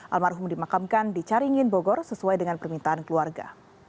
almarhum dimakamkan dicaringin bogor sesuai dengan permintaan keluarga